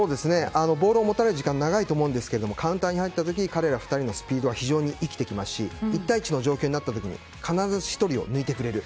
ボールを持たれる時間が長いと思うんですけどカウンターに入った時に彼ら２人のスピードは非常に生きてきますし１対１の状況になった時に必ず１人を抜いてくれる。